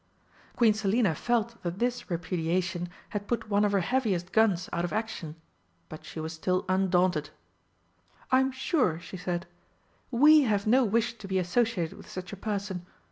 Queen Selina felt that this repudiation had put one of her heaviest guns out of action, but she was still undaunted. "I'm sure," she said, "We have no wish to be associated with such a person.